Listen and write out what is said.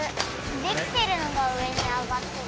できてるのがうえにあがってる。